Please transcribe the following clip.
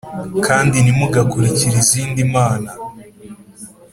kandi ntimugakurikire izindi mana